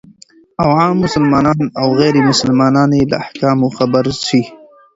او عام مسلمانان او غير مسلمانان يې له احکامو خبر سي،